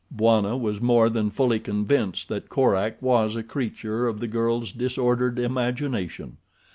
Bwana was more than fully convinced that Korak was a creature of the girl's disordered imagination.